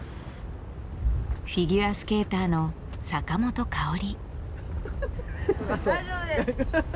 フィギュアスケーターの坂本花織。